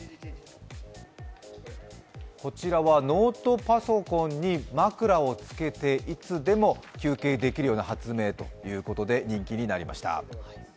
こちらはノートパソコンに枕をつけていつでも休憩できるような発明ということで人気になりました。